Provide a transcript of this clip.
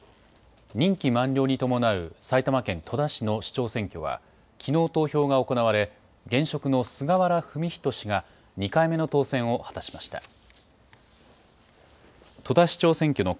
任期満了に伴う埼玉県戸田市の市長選挙は、きのう投票が行われ、現職の菅原文仁氏が２回目の当選を果たしました。